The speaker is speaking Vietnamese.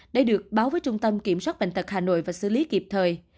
để được báo với trung tâm kiểm soát bệnh tật hà nội và xử lý kịp thời